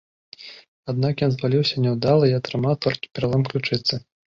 Аднак ён зваліўся няўдала і атрымаў толькі пералом ключыцы.